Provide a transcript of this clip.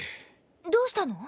どうしたの？